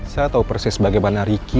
saya tahu persis bagaimana ricky